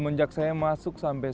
dan pak bapak dato' dato' dato' dato'